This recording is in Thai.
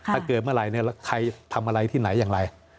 ถ้าเกิดเมื่อไหร่ใครทำอะไรที่ไหนอย่างไร